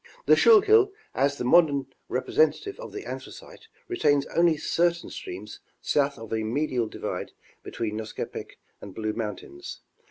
The Schuylkill as the modern representative of the Anthracite retains only certain streams south of a medial divide between Nescopec and Blue mountains.